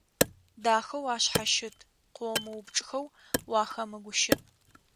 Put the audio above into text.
Дахэу ашъхьащыт, къыомыупчӀхэу уахэмыгущыӀ.